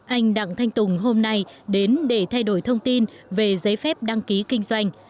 anh đặng thanh tùng hôm nay đến để thay đổi thông tin về giấy phép đăng ký kinh doanh